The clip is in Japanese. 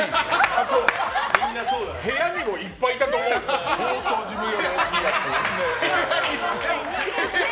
あと、部屋にもいっぱいいたと思うよ相当、自分より大きいやつ。